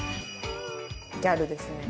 ギャルですね。